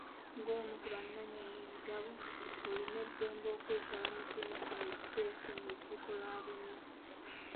Ng'omu ku bannannyini migabo olina eddembe okwetaba mu kuyisa ebiteeso mu lukiiko lwa bonna.